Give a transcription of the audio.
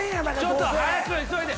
ちょっと早く急いで。